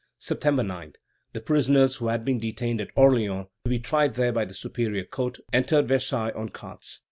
September 9, the prisoners who had been detained at Orleans to be tried there by the Superior Court, entered Versailles on carts.